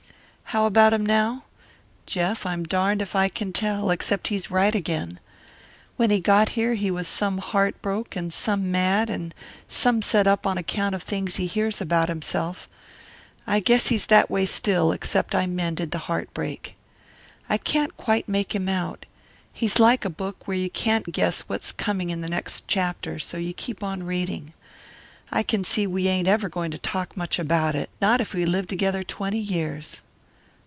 How about him now? Jeff, I'm darned if I can tell except he's right again. When he got here he was some heart broke and some mad and some set up on account of things he hears about himself. I guess he's that way still, except I mended the heart break. I can't quite make him out he's like a book where you can't guess what's coming in the next chapter, so you keep on reading. I can see we ain't ever going to talk much about it not if we live together twenty years.